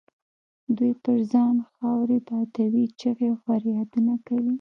دوی پر ځان خاورې بادوي، چیغې او فریادونه کوي.